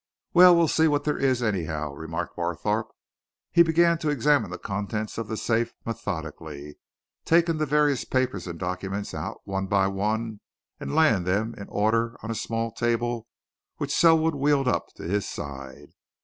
"Well, we'll see what there is, anyhow," remarked Barthorpe. He began to examine the contents of the safe methodically, taking the various papers and documents out one by one and laying them in order on a small table which Selwood wheeled up to his side.